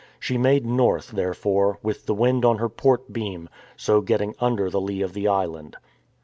She made north, therefore, with the wind on her port beam, so getting under the lee of the island.